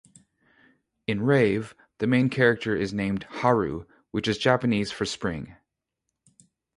In "Rave", the main character is named Haru which is Japanese for spring.